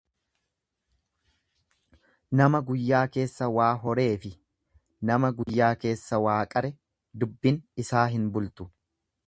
Nama guyyaa keessa waa horeefi nama guyyaa keessa waa qare dubbin isaa hin bultu.